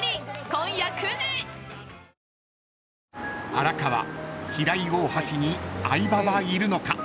［荒川平井大橋に相葉はいるのか］